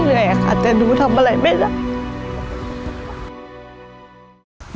นูค่ะแต่รูทำอะไรไม่ได้